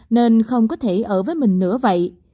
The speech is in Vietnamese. nên không có thể ở với mình nữa vậy